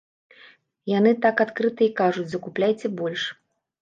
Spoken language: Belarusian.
Яны так адкрыта і кажуць, закупляйце больш.